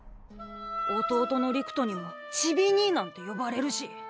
弟の陸斗にも「ちびにい」なんて呼ばれるし。